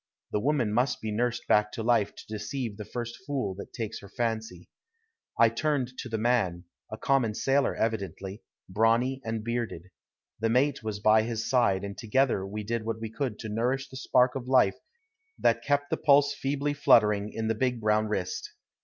The woman must be nursed back to life to deceive the first fool that takes her fancy. I turned to the man, a common sailor evidently, brawny and bearded. The mate was by his side, and together we did what we could to nourish the spark of life that kept the pulse feebly fluttering in the big brown wrist.